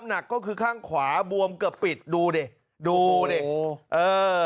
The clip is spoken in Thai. หนักก็คือข้างขวาบวมเกือบปิดดูดิดูดิโอ้เออ